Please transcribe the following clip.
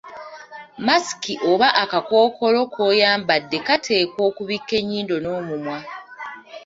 Masiki oba akakookolo k'oyambadde kateekwa okubikka ennyindo n’omumwa.